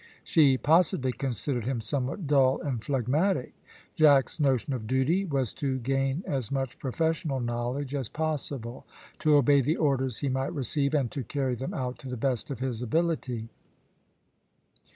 She possibly considered him somewhat dull and phlegmatic. Jack's notion of duty was to gain as much professional knowledge as possible; to obey the orders he might receive, and to carry them out to the best of his ability.